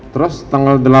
terus tanggal delapan malam